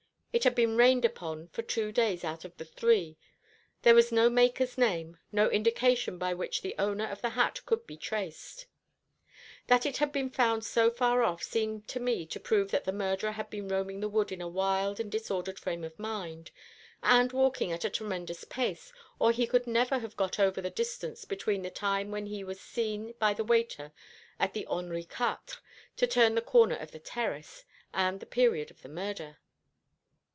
It had been rained upon for two days out of the three there was no maker's name no indication by which the owner of the hat could be traced. That it had been found so far off seemed to me to prove that the murderer had been roaming the wood in a wild and disordered frame of mind, and walking at a tremendous pace, or he could never have got over the distance between the time when he was seen by the waiter at the Henri Quatre, to turn the corner of the terrace, and the period of the murder."